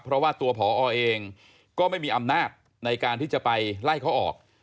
เพราะว่าตัวผอเองก็ไม่มีอำนาจในการที่จะไปไล่เขาออก